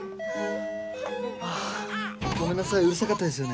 ごめんなさいうるさかったですよね。